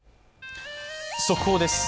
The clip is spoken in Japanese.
速報です。